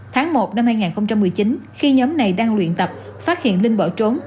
tháng một năm hai nghìn một mươi chín khi nhóm này đang luyện tập phát hiện linh bỏ trốn